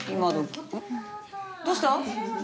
どうした？